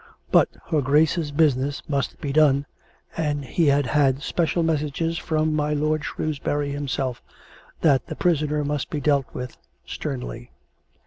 But her Grace's busi ness must be done, and he had had special messages from my lord Shrewsbury himself that the prisoner must be COME RACK! COME ROPE! 439 dealt with sternly.